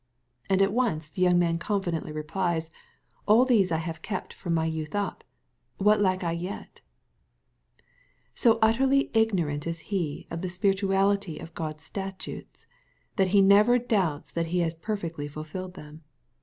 — And at once the young man confidently replies, "All these have I kept from my youth up : what lack I yet ?" So utterly ignorant is he of the spirituality of God's statutes, that he never doubts that he has per fectly fulfilled them.